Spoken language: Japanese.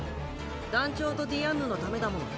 団長とディアンヌのためだもの。